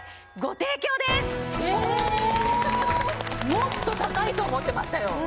もっと高いと思ってましたよ。